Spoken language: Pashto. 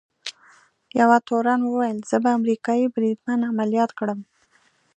یوه تورن وویل: زه به امریکايي بریدمن عملیات کړم.